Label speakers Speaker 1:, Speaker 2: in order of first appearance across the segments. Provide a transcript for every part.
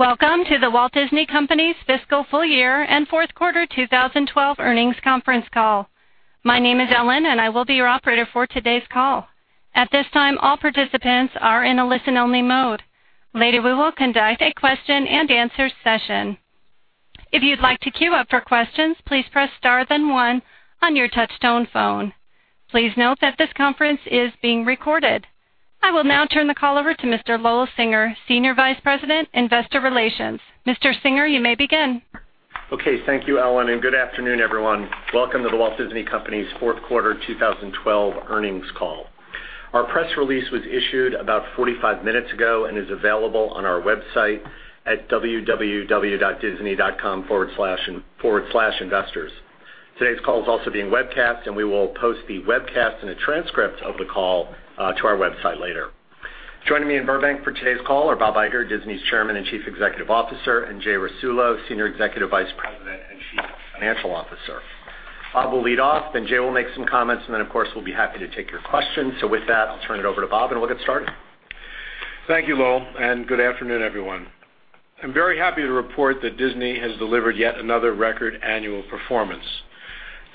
Speaker 1: Welcome to The Walt Disney Company's fiscal full year and fourth quarter 2012 earnings conference call. My name is Ellen, and I will be your operator for today's call. At this time, all participants are in a listen-only mode. Later, we will conduct a question and answer session. If you'd like to queue up for questions, please press star then one on your touch-tone phone. Please note that this conference is being recorded. I will now turn the call over to Mr. Lowell Singer, Senior Vice President, Investor Relations. Mr. Singer, you may begin.
Speaker 2: Okay. Thank you, Ellen, and good afternoon, everyone. Welcome to The Walt Disney Company's fourth quarter 2012 earnings call. Our press release was issued about 45 minutes ago and is available on our website at www.disney.com/investors. Today's call is also being webcast, and we will post the webcast and a transcript of the call to our website later. Joining me in Burbank for today's call are Bob Iger, Disney's Chairman and Chief Executive Officer, and Jay Rasulo, Senior Executive Vice President and Chief Financial Officer. Bob will lead off. Jay will make some comments. Of course, we'll be happy to take your questions. With that, I'll turn it over to Bob, and we'll get started.
Speaker 3: Thank you, Lowell, and good afternoon, everyone. I'm very happy to report that Disney has delivered yet another record annual performance.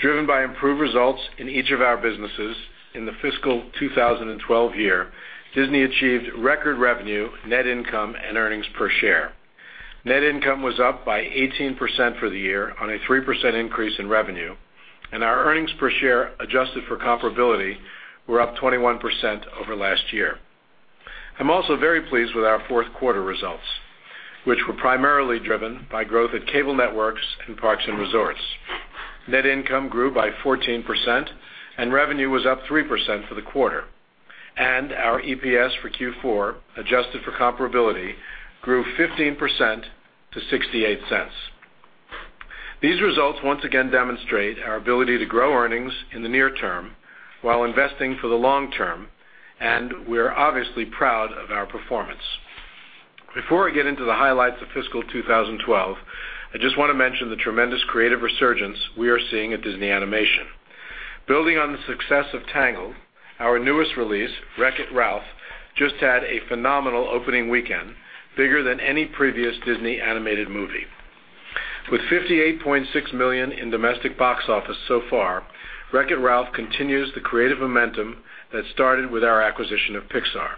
Speaker 3: Driven by improved results in each of our businesses in the fiscal 2012 year, Disney achieved record revenue, net income, and earnings per share. Net income was up by 18% for the year on a 3% increase in revenue, and our earnings per share, adjusted for comparability, were up 21% over last year. I'm also very pleased with our fourth-quarter results, which were primarily driven by growth at cable networks and parks and resorts. Net income grew by 14% and revenue was up 3% for the quarter. Our EPS for Q4, adjusted for comparability, grew 15% to $0.68. These results once again demonstrate our ability to grow earnings in the near term while investing for the long term, and we're obviously proud of our performance. Before I get into the highlights of fiscal 2012, I just want to mention the tremendous creative resurgence we are seeing at Disney Animation. Building on the success of "Tangled," our newest release, "Wreck-It Ralph," just had a phenomenal opening weekend, bigger than any previous Disney animated movie. With $58.6 million in domestic box office so far, "Wreck-It Ralph" continues the creative momentum that started with our acquisition of Pixar.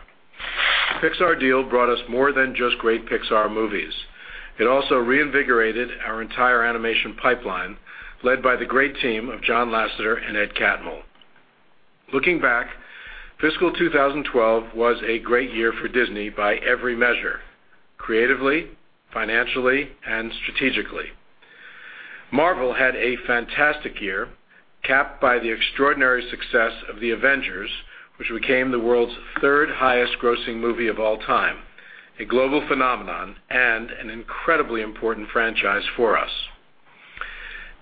Speaker 3: The Pixar deal brought us more than just great Pixar movies. It also reinvigorated our entire animation pipeline, led by the great team of John Lasseter and Ed Catmull. Looking back, fiscal 2012 was a great year for Disney by every measure: creatively, financially, and strategically. Marvel had a fantastic year, capped by the extraordinary success of "The Avengers," which became the world's third highest-grossing movie of all time, a global phenomenon, and an incredibly important franchise for us.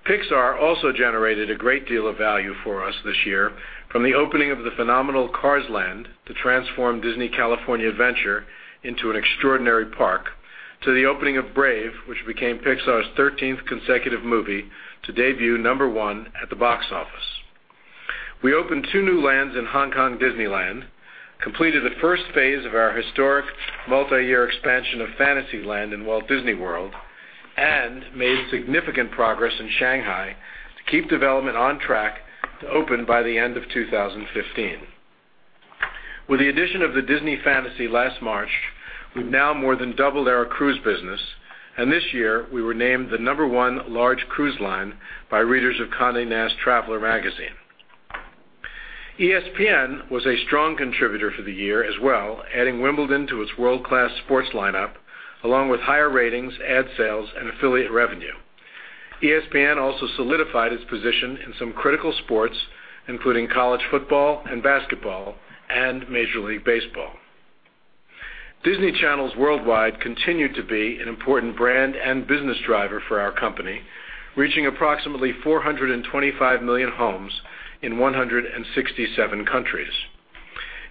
Speaker 3: Pixar also generated a great deal of value for us this year, from the opening of the phenomenal Cars Land to transform Disney California Adventure into an extraordinary park, to the opening of "Brave," which became Pixar's 13th consecutive movie to debut number one at the box office. We opened two new lands in Hong Kong Disneyland, completed the first phase of our historic multi-year expansion of Fantasyland in Walt Disney World, and made significant progress in Shanghai to keep development on track to open by the end of 2015. With the addition of the Disney Fantasy last March, we've now more than doubled our cruise business, and this year we were named the number one large cruise line by readers of Condé Nast Traveler magazine. ESPN was a strong contributor for the year as well, adding Wimbledon to its world-class sports lineup, along with higher ratings, ad sales, and affiliate revenue. ESPN also solidified its position in some critical sports, including college football and basketball and Major League Baseball. Disney Channels worldwide continued to be an important brand and business driver for our company, reaching approximately 425 million homes in 167 countries.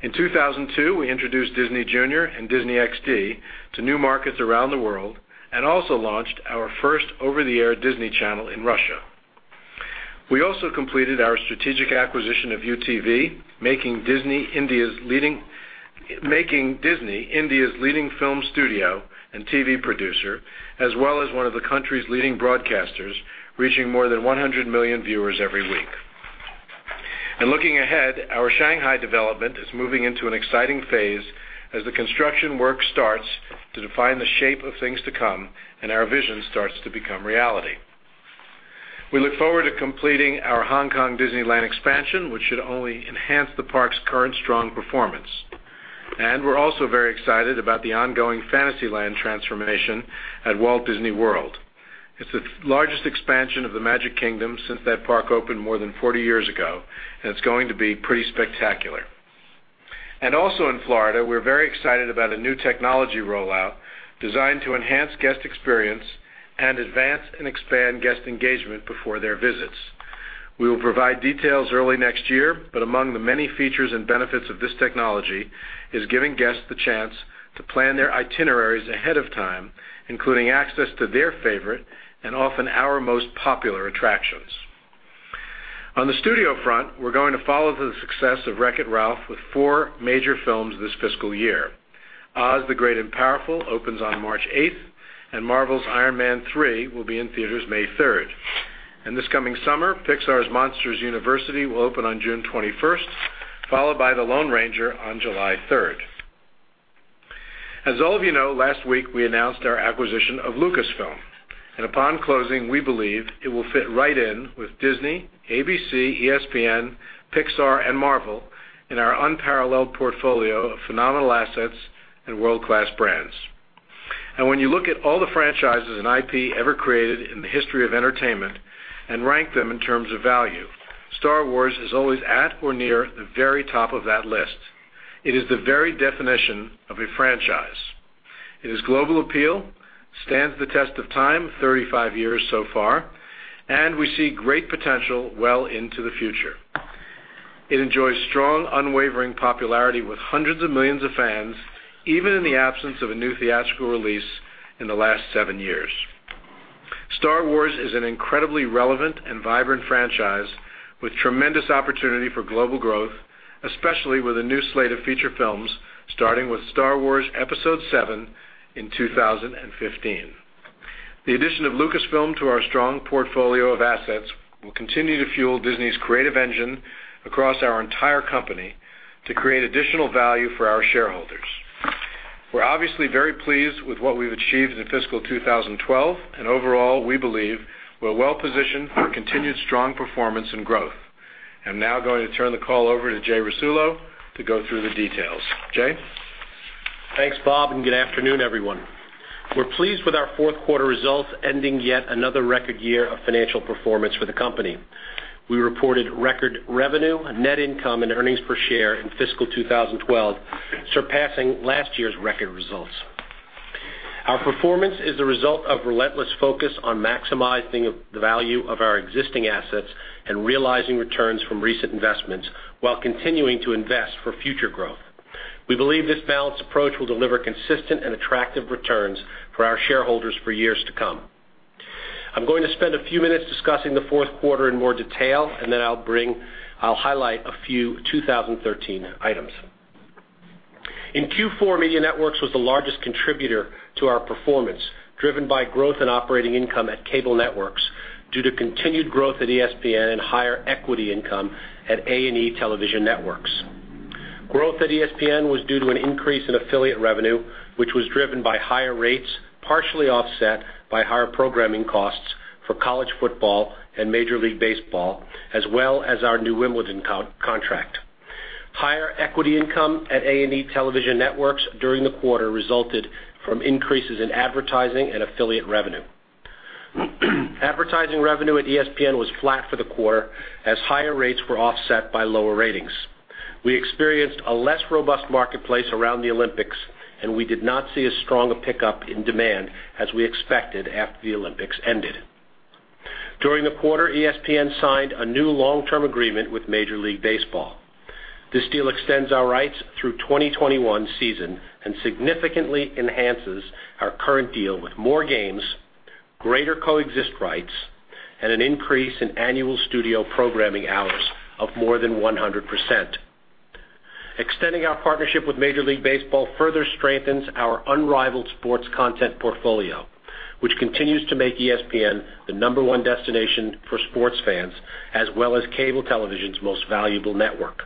Speaker 3: In 2002, we introduced Disney Junior and Disney XD to new markets around the world and also launched our first over-the-air Disney Channel in Russia. We also completed our strategic acquisition of UTV, making Disney India's leading film studio and TV producer, as well as one of the country's leading broadcasters, reaching more than 100 million viewers every week. Looking ahead, our Shanghai development is moving into an exciting phase as the construction work starts to define the shape of things to come and our vision starts to become reality. We look forward to completing our Hong Kong Disneyland expansion, which should only enhance the park's current strong performance. We're also very excited about the ongoing Fantasyland transformation at Walt Disney World. It's the largest expansion of the Magic Kingdom since that park opened more than 40 years ago, and it's going to be pretty spectacular. Also in Florida, we're very excited about a new technology rollout designed to enhance guest experience and advance and expand guest engagement before their visits. We will provide details early next year. Among the many features and benefits of this technology is giving guests the chance to plan their itineraries ahead of time, including access to their favorite and often our most popular attractions. On the studio front, we're going to follow the success of Wreck-It Ralph with four major films this fiscal year. Oz the Great and Powerful opens on March 8th, and Marvel's Iron Man 3 will be in theaters May 3rd. This coming summer, Pixar's Monsters University will open on June 21st, followed by The Lone Ranger on July 3rd. As all of you know, last week we announced our acquisition of Lucasfilm, and upon closing, we believe it will fit right in with Disney, ABC, ESPN, Pixar, and Marvel in our unparalleled portfolio of phenomenal assets and world-class brands. When you look at all the franchises and IP ever created in the history of entertainment and rank them in terms of value, Star Wars is always at or near the very top of that list. It is the very definition of a franchise. It has global appeal, stands the test of time, 35 years so far, and we see great potential well into the future. It enjoys strong, unwavering popularity with hundreds of millions of fans, even in the absence of a new theatrical release in the last seven years. Star Wars is an incredibly relevant and vibrant franchise with tremendous opportunity for global growth, especially with a new slate of feature films, starting with Star Wars Episode VII in 2015. The addition of Lucasfilm to our strong portfolio of assets will continue to fuel Disney's creative engine across our entire company to create additional value for our shareholders. We're obviously very pleased with what we've achieved in fiscal 2012, and overall, we believe we're well-positioned for continued strong performance and growth. I'm now going to turn the call over to Jay Rasulo to go through the details. Jay?
Speaker 4: Thanks, Bob, and good afternoon, everyone. We're pleased with our fourth quarter results, ending yet another record year of financial performance for the company. We reported record revenue, net income, and earnings per share in fiscal 2012, surpassing last year's record results. Our performance is the result of relentless focus on maximizing the value of our existing assets and realizing returns from recent investments while continuing to invest for future growth. We believe this balanced approach will deliver consistent and attractive returns for our shareholders for years to come. I'm going to spend a few minutes discussing the fourth quarter in more detail, then I'll highlight a few 2013 items. In Q4, Media Networks was the largest contributor to our performance, driven by growth in operating income at cable networks due to continued growth at ESPN and higher equity income at A&E Television Networks. Growth at ESPN was due to an increase in affiliate revenue, which was driven by higher rates, partially offset by higher programming costs for college football and Major League Baseball, as well as our new Wimbledon contract. Higher equity income at A&E Television Networks during the quarter resulted from increases in advertising and affiliate revenue. Advertising revenue at ESPN was flat for the quarter as higher rates were offset by lower ratings. We experienced a less robust marketplace around the Olympics, and we did not see as strong a pickup in demand as we expected after the Olympics ended. During the quarter, ESPN signed a new long-term agreement with Major League Baseball. This deal extends our rights through 2021 season and significantly enhances our current deal with more games, greater co-exclusive rights, and an increase in annual studio programming hours of more than 100%. Extending our partnership with Major League Baseball further strengthens our unrivaled sports content portfolio, which continues to make ESPN the number one destination for sports fans as well as cable television's most valuable network.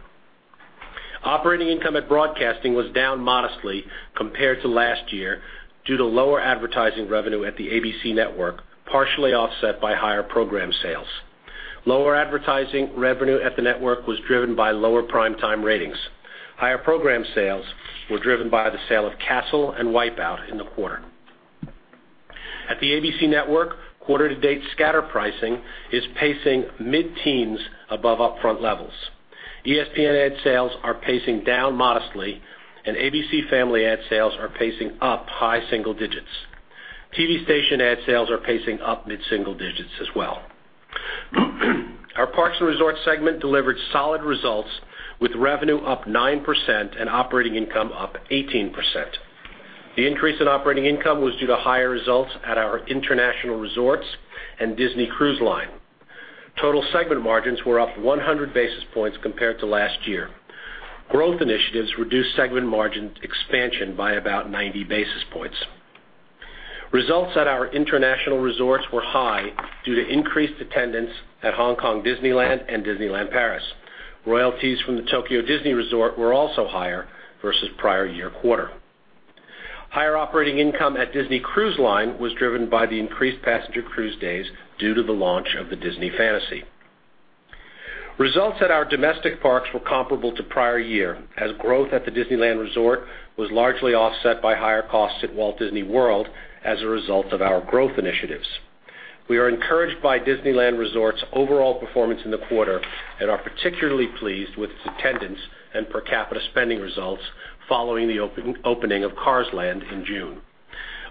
Speaker 4: Operating income at broadcasting was down modestly compared to last year due to lower advertising revenue at the ABC network, partially offset by higher program sales. Lower advertising revenue at the network was driven by lower prime-time ratings. Higher program sales were driven by the sale of Castle and Wipeout in the quarter. At the ABC network, quarter-to-date scatter pricing is pacing mid-teens above upfront levels. ESPN ad sales are pacing down modestly, and ABC Family ad sales are pacing up high single digits. TV station ad sales are pacing up mid-single digits as well. Our Parks and Resorts segment delivered solid results, with revenue up 9% and operating income up 18%. The increase in operating income was due to higher results at our international resorts and Disney Cruise Line. Total segment margins were up 100 basis points compared to last year. Growth initiatives reduced segment margin expansion by about 90 basis points. Results at our international resorts were high due to increased attendance at Hong Kong Disneyland and Disneyland Paris. Royalties from the Tokyo Disney Resort were also higher versus prior year quarter. Higher operating income at Disney Cruise Line was driven by the increased passenger cruise days due to the launch of the Disney Fantasy. Results at our domestic parks were comparable to prior year, as growth at the Disneyland Resort was largely offset by higher costs at Walt Disney World as a result of our growth initiatives. We are encouraged by Disneyland Resort's overall performance in the quarter and are particularly pleased with its attendance and per capita spending results following the opening of Cars Land in June.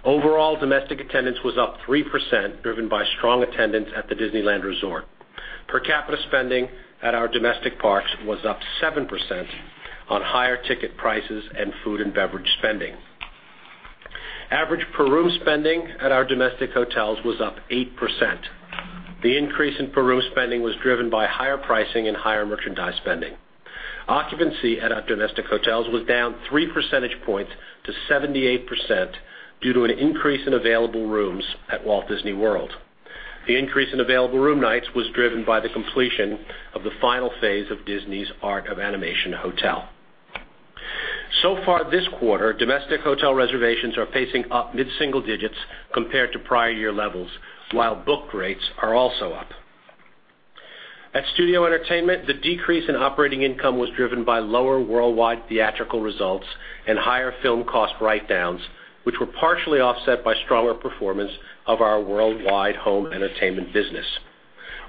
Speaker 4: Overall, domestic attendance was up 3%, driven by strong attendance at the Disneyland Resort. Per capita spending at our domestic parks was up 7% on higher ticket prices and food and beverage spending. Average per-room spending at our domestic hotels was up 8%. The increase in per-room spending was driven by higher pricing and higher merchandise spending. Occupancy at our domestic hotels was down three percentage points to 78% due to an increase in available rooms at Walt Disney World. The increase in available room nights was driven by the completion of the final phase of Disney's Art of Animation Resort. This quarter, domestic hotel reservations are pacing up mid-single digits compared to prior year levels, while book rates are also up. At Studio Entertainment, the decrease in operating income was driven by lower worldwide theatrical results and higher film cost write-downs, which were partially offset by stronger performance of our worldwide home entertainment business.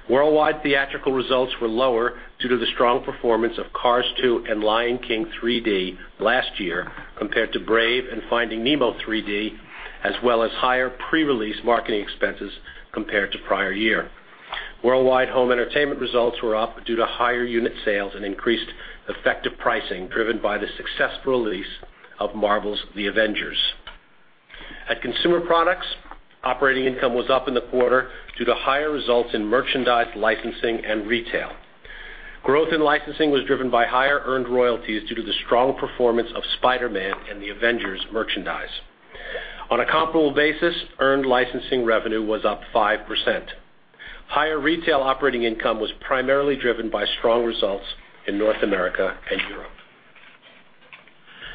Speaker 4: Worldwide theatrical results were lower due to the strong performance of Cars 2 and The Lion King 3D last year compared to Brave and Finding Nemo 3D as well as higher pre-release marketing expenses compared to prior year. Worldwide home entertainment results were up due to higher unit sales and increased effective pricing driven by the successful release of Marvel's The Avengers. At Consumer Products, operating income was up in the quarter due to higher results in merchandise licensing and retail. Growth in licensing was driven by higher earned royalties due to the strong performance of Spider-Man and The Avengers merchandise. On a comparable basis, earned licensing revenue was up 5%. Higher retail operating income was primarily driven by strong results in North America and Europe.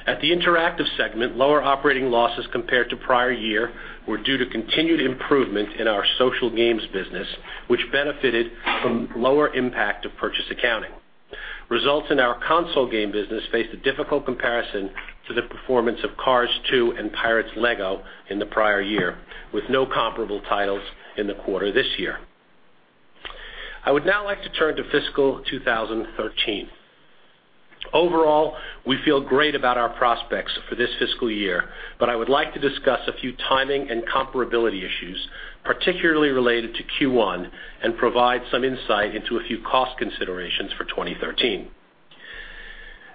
Speaker 4: At the Interactive segment, lower operating losses compared to prior year were due to continued improvement in our social games business, which benefited from lower impact of purchase accounting. Results in our console game business faced a difficult comparison to the performance of Cars 2 and Pirates LEGO in the prior year, with no comparable titles in the quarter this year. I would now like to turn to fiscal 2013. Overall, we feel great about our prospects for this fiscal year, but I would like to discuss a few timing and comparability issues particularly related to Q1 and provide some insight into a few cost considerations for 2013.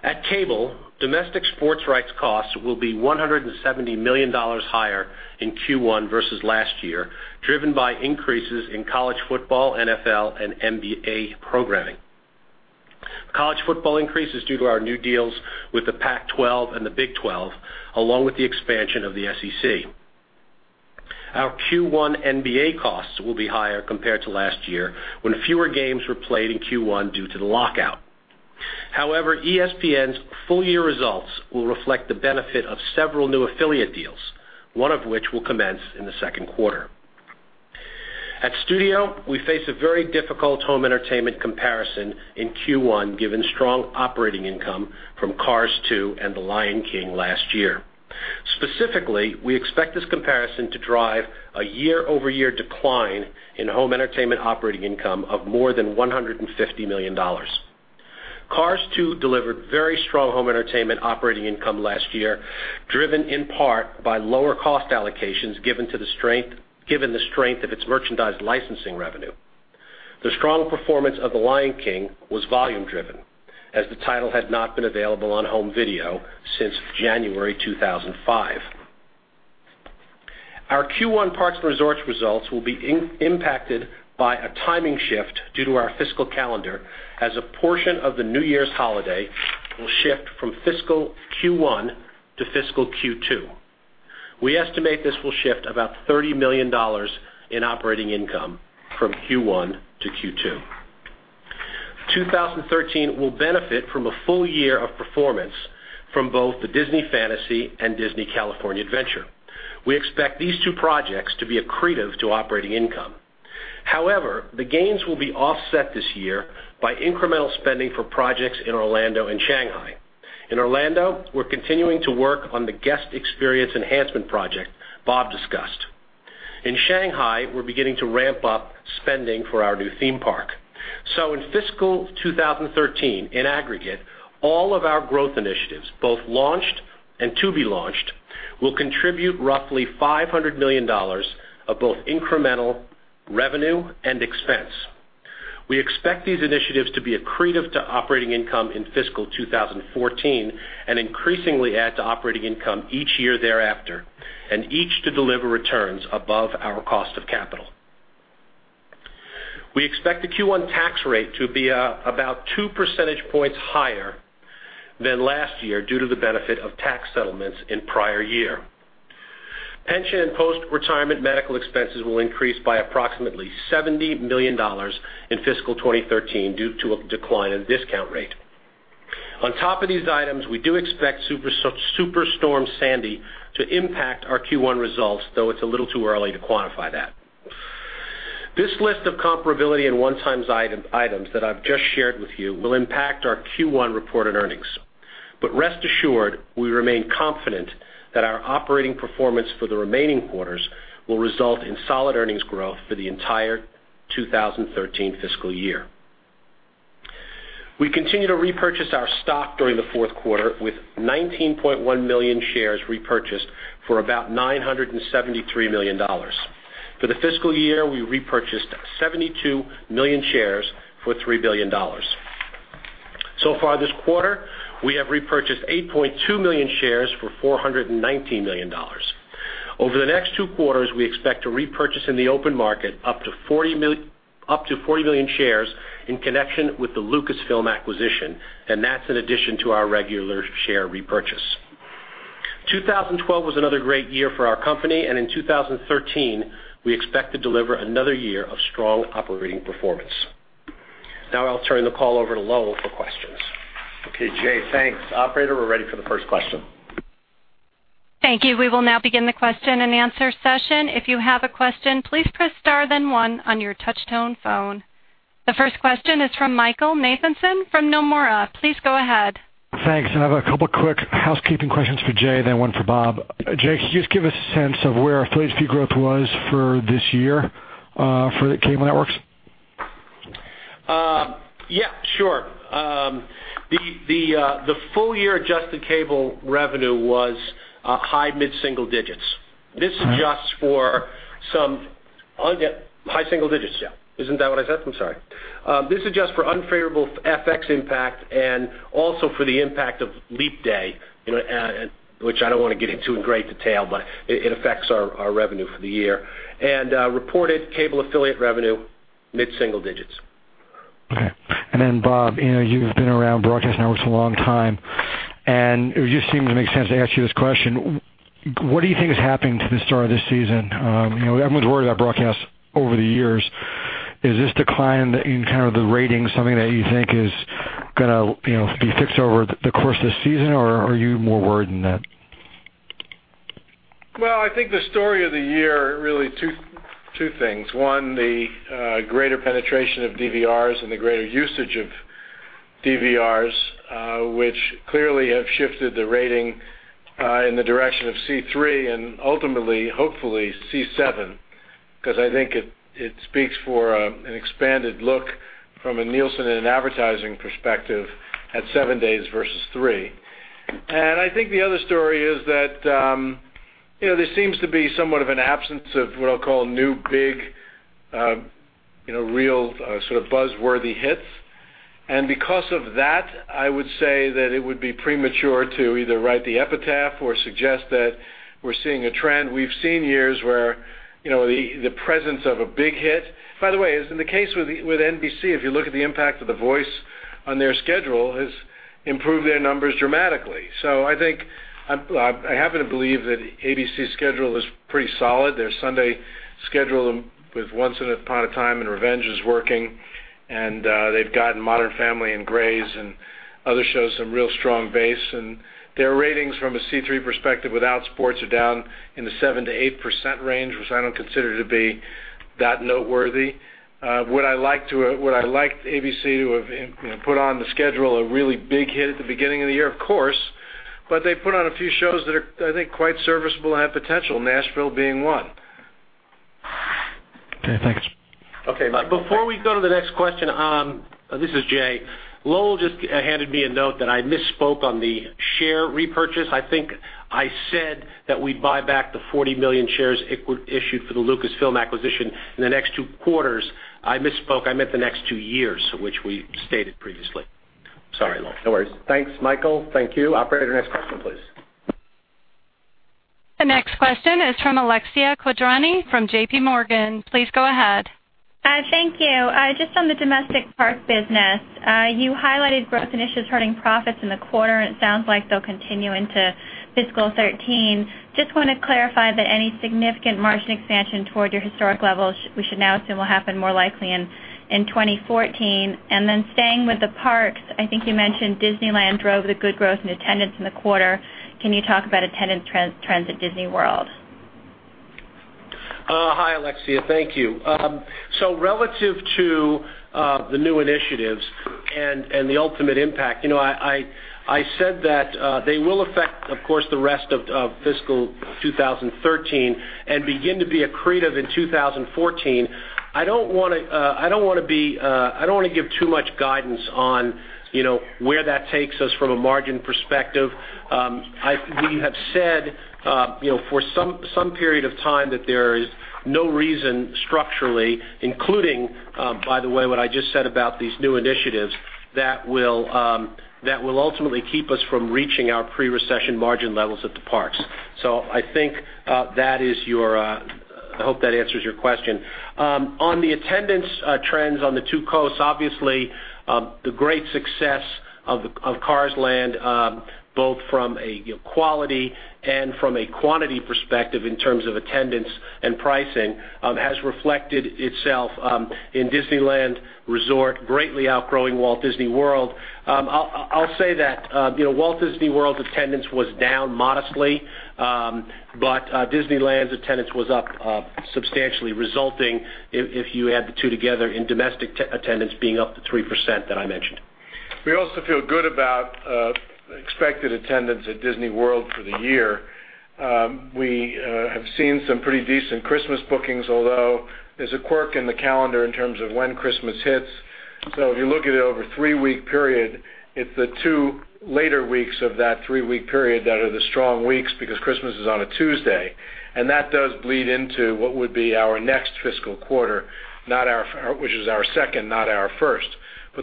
Speaker 4: At Cable, domestic sports rights costs will be $170 million higher in Q1 versus last year, driven by increases in college football, NFL, and NBA programming. College football increase is due to our new deals with the Pac-12 and the Big 12, along with the expansion of the SEC. Our Q1 NBA costs will be higher compared to last year when fewer games were played in Q1 due to the lockout. However, ESPN's full-year results will reflect the benefit of several new affiliate deals, one of which will commence in the second quarter. At Studio, we face a very difficult home entertainment comparison in Q1 given strong operating income from Cars 2 and The Lion King last year. Specifically, we expect this comparison to drive a year-over-year decline in home entertainment operating income of more than $150 million. Cars 2 delivered very strong home entertainment operating income last year, driven in part by lower cost allocations given the strength of its merchandise licensing revenue. The strong performance of The Lion King was volume driven as the title had not been available on home video since January 2005. Our Q1 Parks and Resorts results will be impacted by a timing shift due to our fiscal calendar as a portion of the New Year's holiday will shift from fiscal Q1 to fiscal Q2. We estimate this will shift about $30 million in operating income from Q1 to Q2. 2013 will benefit from a full year of performance from both the Disney Fantasy and Disney California Adventure. We expect these two projects to be accretive to operating income. However, the gains will be offset this year by incremental spending for projects in Orlando and Shanghai. In Orlando, we're continuing to work on the guest experience enhancement project Bob discussed. In Shanghai, we're beginning to ramp up spending for our new theme park. In fiscal 2013, in aggregate, all of our growth initiatives, both launched and to be launched, will contribute roughly $500 million of both incremental revenue and expense. We expect these initiatives to be accretive to operating income in fiscal 2014 and increasingly add to operating income each year thereafter and each to deliver returns above our cost of capital. We expect the Q1 tax rate to be about two percentage points higher than last year due to the benefit of tax settlements in prior year. Pension and post-retirement medical expenses will increase by approximately $70 million in fiscal 2013 due to a decline in discount rate. On top of these items, we do expect Superstorm Sandy to impact our Q1 results, though it's a little too early to quantify that. This list of comparability and one-time items that I've just shared with you will impact our Q1 reported earnings. Rest assured, we remain confident that our operating performance for the remaining quarters will result in solid earnings growth for the entire 2013 fiscal year. We continue to repurchase our stock during the fourth quarter with 19.1 million shares repurchased for about $973 million. For the fiscal year, we repurchased 72 million shares for $3 billion. So far this quarter, we have repurchased 8.2 million shares for $419 million. Over the next two quarters, we expect to repurchase in the open market up to 40 million shares in connection with the Lucasfilm acquisition, and that's in addition to our regular share repurchase. 2012 was another great year for our company. In 2013, we expect to deliver another year of strong operating performance. I'll turn the call over to Lowell for questions.
Speaker 3: Jay, thanks. Operator, we're ready for the first question.
Speaker 1: Thank you. We will now begin the question and answer session. If you have a question, please press star then one on your touch tone phone. The first question is from Michael Nathanson from Nomura. Please go ahead.
Speaker 5: Thanks. I have a couple quick housekeeping questions for Jay, then one for Bob. Jay, could you just give us a sense of where affiliate fee growth was for this year for the cable networks?
Speaker 4: Yeah, sure. The full-year adjusted cable revenue was high mid-single digits. High single digits, yeah. Isn't that what I said? I'm sorry. This is just for unfavorable FX impact and also for the impact of leap day, which I don't want to get into in great detail, but it affects our revenue for the year, and reported cable affiliate revenue, mid-single digits.
Speaker 5: Okay. Bob, you've been around broadcast networks a long time, and it just seems to make sense to ask you this question. What do you think has happened to the start of this season? Everyone's worried about broadcast over the years. Is this decline in the ratings something that you think is going to be fixed over the course of the season, or are you more worried than that?
Speaker 3: Well, I think the story of the year, really two things. One, the greater penetration of DVRs and the greater usage of DVRs, which clearly have shifted the rating in the direction of C3 and ultimately, hopefully, C7, because I think it speaks for an expanded look from a Nielsen and advertising perspective at seven days versus three. I think the other story is that there seems to be somewhat of an absence of what I'll call new, big real buzz-worthy hits. Because of that, I would say that it would be premature to either write the epitaph or suggest that we're seeing a trend. We've seen years where the presence of a big hit. By the way, as in the case with NBC, if you look at the impact of "The Voice" on their schedule, has improved their numbers dramatically. I happen to believe that ABC's schedule is pretty solid. Their Sunday schedule with "Once Upon a Time" and "Revenge" is working, and they've gotten "Modern Family" and "Grey's" and other shows some real strong base. Their ratings from a C3 perspective without sports are down in the 7%-8% range, which I don't consider to be that noteworthy. Would I like ABC to have put on the schedule a really big hit at the beginning of the year? Of course, but they put on a few shows that are, I think, quite serviceable and have potential, "Nashville" being one.
Speaker 5: Okay, thanks.
Speaker 4: Okay, before we go to the next question, this is Jay. Lowell just handed me a note that I misspoke on the share repurchase. I think I said that we'd buy back the 40 million shares issued for the Lucasfilm acquisition in the next two quarters. I misspoke. I meant the next two years, which we stated previously. Sorry, Lowell.
Speaker 3: No worries. Thanks, Michael. Thank you. Operator, next question, please.
Speaker 1: The next question is from Alexia Quadrani from JPMorgan. Please go ahead.
Speaker 6: Thank you. Just on the domestic parks business, you highlighted growth initiatives hurting profits in the quarter, and it sounds like they'll continue into fiscal 2013. Just want to clarify that any significant margin expansion toward your historic levels we should now assume will happen more likely in 2014. Staying with the parks, I think you mentioned Disneyland drove the good growth in attendance in the quarter. Can you talk about attendance trends at Disney World?
Speaker 4: Hi, Alexia. Thank you. Relative to the new initiatives and the ultimate impact, I said that they will affect, of course, the rest of fiscal 2013 and begin to be accretive in 2014. I don't want to give too much guidance on where that takes us from a margin perspective. We have said for some period of time that there is no reason structurally, including, by the way, what I just said about these new initiatives that will ultimately keep us from reaching our pre-recession margin levels at the parks. I hope that answers your question. On the attendance trends on the two coasts, obviously, the great success of Cars Land, both from a quality and from a quantity perspective in terms of attendance and pricing, has reflected itself in Disneyland Resort greatly outgrowing Walt Disney World. I'll say that Walt Disney World attendance was down modestly, but Disneyland's attendance was up substantially, resulting if you add the two together in domestic attendance being up the 3% that I mentioned.
Speaker 3: If you look at it over a three-week period, it's the two later weeks of that three-week period that are the strong weeks because Christmas is on a Tuesday, and that does bleed into what would be our next fiscal quarter, which is our second, not our first.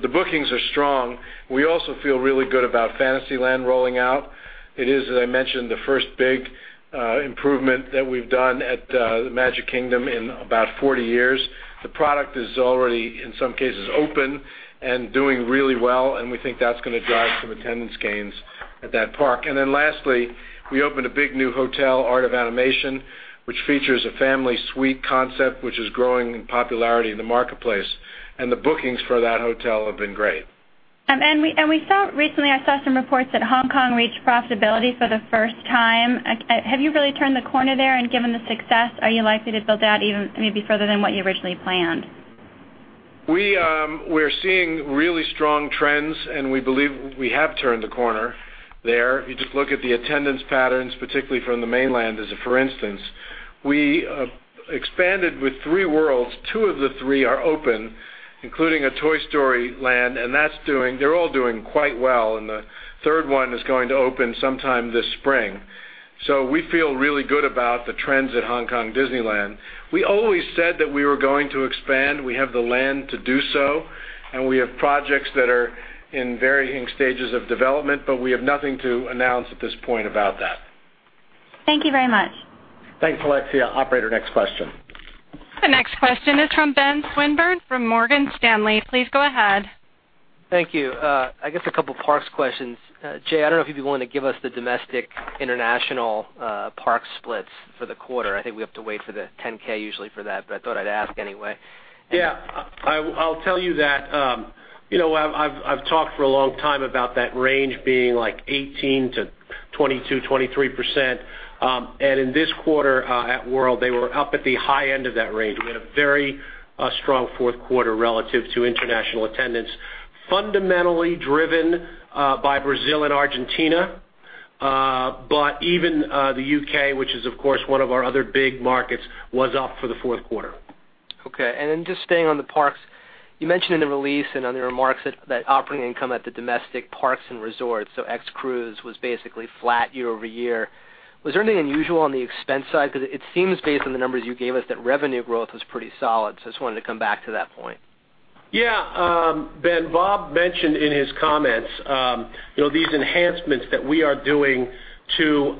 Speaker 3: The bookings are strong. We also feel really good about Fantasyland rolling out. It is, as I mentioned, the first big improvement that we've done at the Magic Kingdom in about 40 years. The product is already, in some cases, open and doing really well, and we think that's going to drive some attendance gains at that park. Lastly, we opened a big new hotel, Art of Animation, which features a family suite concept, which is growing in popularity in the marketplace. The bookings for that hotel have been great.
Speaker 6: Recently, I saw some reports that Hong Kong reached profitability for the first time. Have you really turned the corner there and given the success, are you likely to build out even maybe further than what you originally planned?
Speaker 3: We're seeing really strong trends. We believe we have turned the corner there. If you just look at the attendance patterns, particularly from the mainland as a for instance. We expanded with 3 worlds. 2 of the 3 are open, including a Toy Story Land, and they're all doing quite well. The third one is going to open sometime this spring. We feel really good about the trends at Hong Kong Disneyland. We always said that we were going to expand. We have the land to do so, and we have projects that are in varying stages of development, but we have nothing to announce at this point about that.
Speaker 6: Thank you very much.
Speaker 3: Thanks, Alexia. Operator, next question.
Speaker 1: The next question is from Ben Swinburne from Morgan Stanley. Please go ahead.
Speaker 7: Thank you. I guess a couple parks questions. Jay, I don't know if you'd be willing to give us the domestic/international park splits for the quarter. I think we have to wait for the 10-K usually for that, but I thought I'd ask anyway.
Speaker 3: Yeah. I'll tell you that I've talked for a long time about that range being 18% to 22%, 23%. In this quarter at World, they were up at the high end of that range. We had a very strong fourth quarter relative to international attendance, fundamentally driven by Brazil and Argentina. Even the U.K., which is, of course, one of our other big markets, was up for the fourth quarter.
Speaker 7: Okay. Just staying on the parks, you mentioned in the release and on the remarks that operating income at the domestic parks and resorts, so ex Cruise, was basically flat year-over-year. Was there anything unusual on the expense side? It seems based on the numbers you gave us, that revenue growth was pretty solid. I just wanted to come back to that point.
Speaker 4: Yeah. Ben, Bob mentioned in his comments these enhancements that we are doing to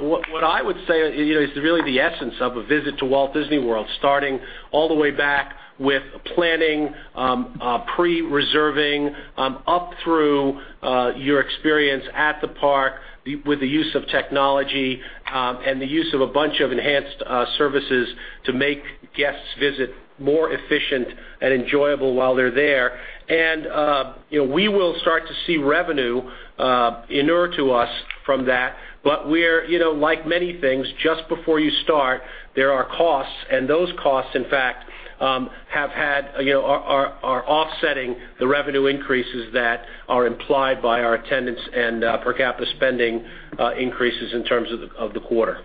Speaker 4: what I would say is really the essence of a visit to Walt Disney World, starting all the way back with planning, pre-reserving, up through your experience at the park with the use of technology and the use of a bunch of enhanced services to make guests' visit more efficient and enjoyable while they're there. We will start to see revenue inure to us from that. Like many things, just before you start, there are costs, those costs, in fact, are offsetting the revenue increases that are implied by our attendance and per capita spending increases in terms of the quarter.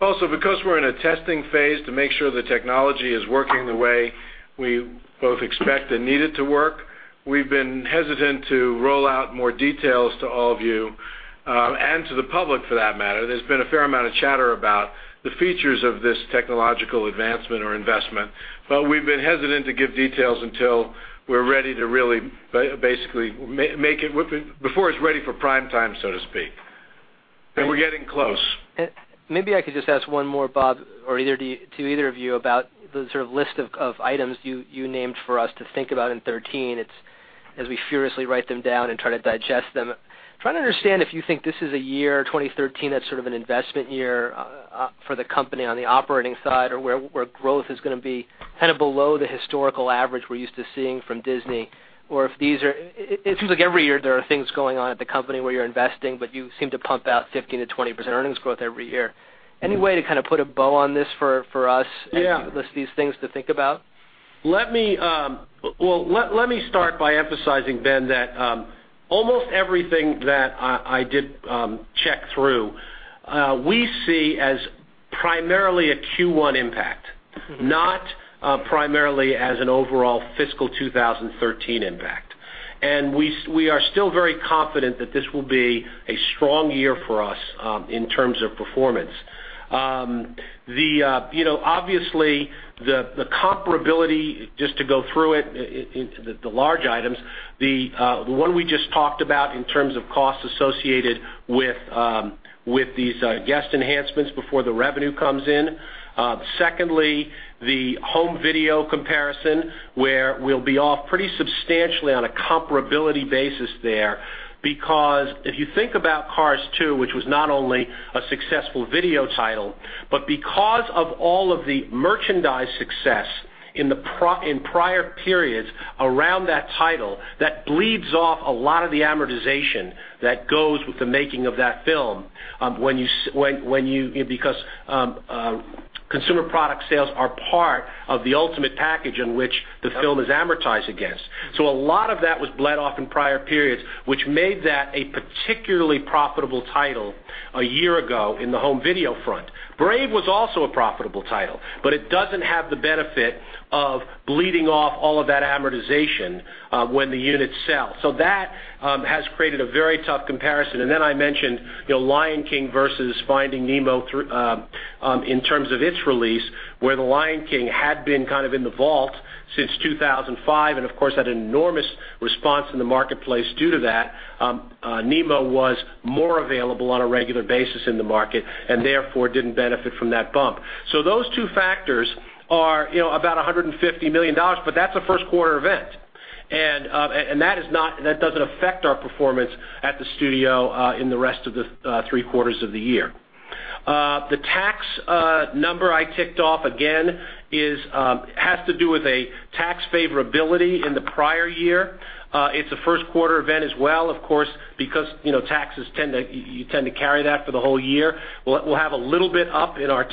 Speaker 3: Because we're in a testing phase to make sure the technology is working the way we both expect and need it to work, we've been hesitant to roll out more details to all of you, and to the public for that matter. There's been a fair amount of chatter about the features of this technological advancement or investment, but we've been hesitant to give details until before it's ready for primetime, so to speak. We're getting close.
Speaker 7: Maybe I could just ask one more, Bob, or to either of you about the list of items you named for us to think about in 2013 as we furiously write them down and try to digest them. Trying to understand if you think this is a year, 2013, that's sort of an investment year for the company on the operating side, or where growth is going to be below the historical average we're used to seeing from Disney. It seems like every year there are things going on at the company where you're investing, but you seem to pump out 15%-20% earnings growth every year. Any way to kind of put a bow on this for us-
Speaker 4: Yeah
Speaker 7: as you list these things to think about?
Speaker 4: Let me start by emphasizing, Ben, that almost everything that I did check through we see as primarily a Q1 impact, not primarily as an overall fiscal 2013 impact. We are still very confident that this will be a strong year for us in terms of performance. Obviously, the comparability, just to go through it, the large items, the one we just talked about in terms of costs associated with these guest enhancements before the revenue comes in. Secondly, the home-video comparison, where we'll be off pretty substantially on a comparability basis there. If you think about Cars 2, which was not only a successful video title, but because of all of the merchandise success in prior periods around that title, that bleeds off a lot of the amortization that goes with the making of that film because consumer product sales are part of the ultimate package in which the film is amortized against. A lot of that was bled off in prior periods, which made that a particularly profitable title a year ago in the home-video front. Brave was also a profitable title, but it doesn't have the benefit of bleeding off all of that amortization when the units sell. That has created a very tough comparison. I mentioned The Lion King versus Finding Nemo. In terms of its release, where The Lion King had been in the vault since 2005, and of course, had an enormous response in the marketplace due to that. Nemo was more available on a regular basis in the market, and therefore, didn't benefit from that bump. Those two factors are about $150 million, but that's a first-quarter event. That doesn't affect our performance at the studio in the rest of the three quarters of the year. The tax number I ticked off, again, has to do with a tax favorability in the prior year. It's a first-quarter event as well, of course, because you tend to carry that for the whole year. We'll have a little bit up in our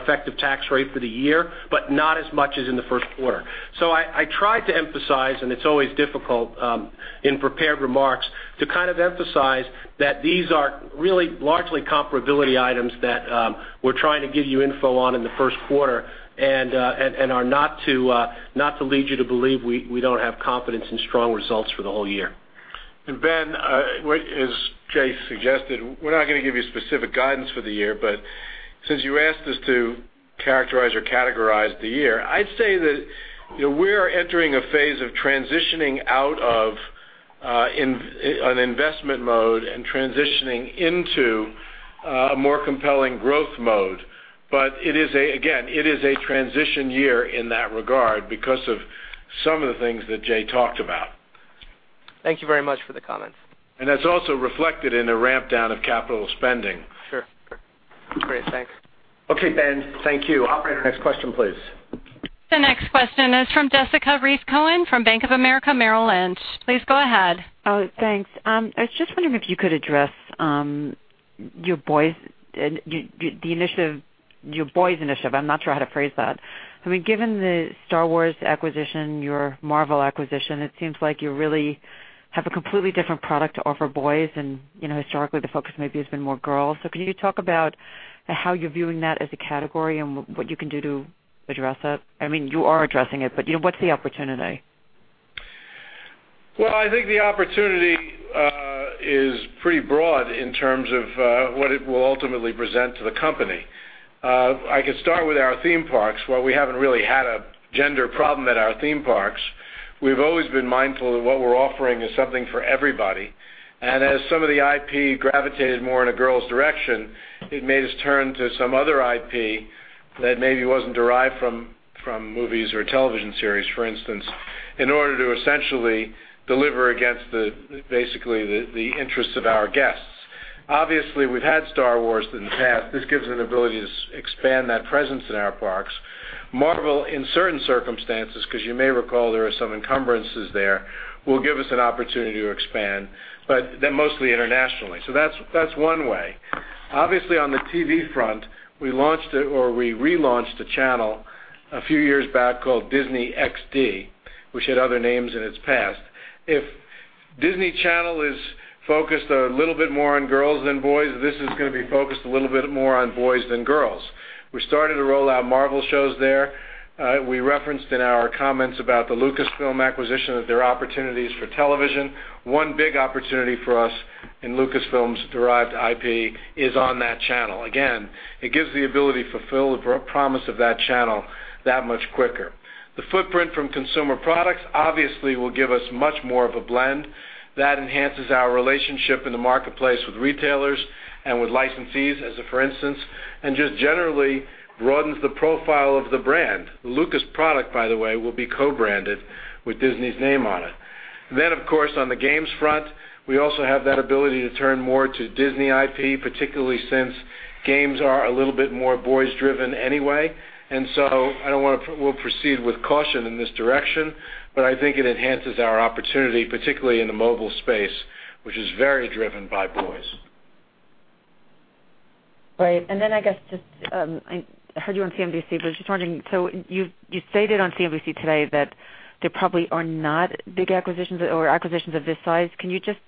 Speaker 4: effective tax rate for the year, but not as much as in the first quarter. I tried to emphasize, and it's always difficult in prepared remarks to emphasize that these are really largely comparability items that we're trying to give you info on in the first quarter, are not to lead you to believe we don't have confidence in strong results for the whole year.
Speaker 3: Ben, as Jay suggested, we're not going to give you specific guidance for the year, since you asked us to characterize or categorize the year, I'd say that we are entering a phase of transitioning out of an investment mode and transitioning into a more compelling growth mode. Again, it is a transition year in that regard because of some of the things that Jay talked about.
Speaker 7: Thank you very much for the comments.
Speaker 3: That's also reflected in a ramp down of capital spending.
Speaker 7: Sure. Great, thanks.
Speaker 4: Okay, Ben, thank you. Operator, next question, please.
Speaker 1: The next question is from Jessica Reif Cohen from Bank of America Merrill Lynch. Please go ahead.
Speaker 8: Thanks. I was just wondering if you could address your boys initiative. I'm not sure how to phrase that. Given the Star Wars acquisition, your Marvel acquisition, it seems like you really have a completely different product to offer boys, and historically the focus maybe has been more girls. Can you talk about how you're viewing that as a category and what you can do to address that? You are addressing it, but what's the opportunity?
Speaker 3: Well, I think the opportunity is pretty broad in terms of what it will ultimately present to the company. I could start with our theme parks. While we haven't really had a gender problem at our theme parks, we've always been mindful of what we're offering is something for everybody. As some of the IP gravitated more in a girl's direction, it made us turn to some other IP that maybe wasn't derived from movies or television series, for instance, in order to essentially deliver against basically the interests of our guests. Obviously, we've had Star Wars in the past. This gives an ability to expand that presence in our parks. Marvel, in certain circumstances, because you may recall there are some encumbrances there, will give us an opportunity to expand, but mostly internationally. That's one way. Obviously, on the TV front, we launched or we relaunched a channel a few years back called Disney XD, which had other names in its past. If Disney Channel is focused a little bit more on girls than boys, this is going to be focused a little bit more on boys than girls. We started to roll out Marvel shows there. We referenced in our comments about the Lucasfilm acquisition that there are opportunities for television. One big opportunity for us in Lucasfilm's derived IP is on that channel. Again, it gives the ability to fulfill the promise of that channel that much quicker. The footprint from consumer products obviously will give us much more of a blend that enhances our relationship in the marketplace with retailers and with licensees, as for instance, and just generally broadens the profile of the brand. Lucas product, by the way, will be co-branded with Disney's name on it. Of course, on the games front, we also have that ability to turn more to Disney IP, particularly since games are a little bit more boys-driven anyway, we'll proceed with caution in this direction, but I think it enhances our opportunity, particularly in the mobile space, which is very driven by boys.
Speaker 8: Right. I guess, I heard you on CNBC, but I was just wondering, you stated on CNBC today that there probably are not big acquisitions or acquisitions of this size. Can you just